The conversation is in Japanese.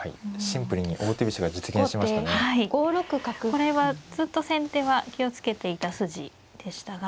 これはずっと先手は気を付けていた筋でしたが。